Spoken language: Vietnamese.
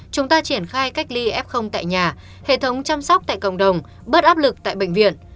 chúng ta triển khai cách ly f tại nhà hệ thống chăm sóc tại cộng đồng bớt áp lực tại bệnh viện